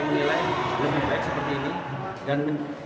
menjaga jika akan ada perusahaan atau hal ini yang tidak akan berhasil